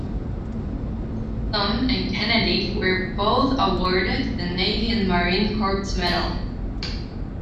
Thom and Kennedy were both awarded the Navy and Marine Corps Medal.